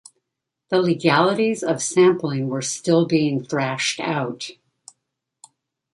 The legalities of sampling were still being thrashed out.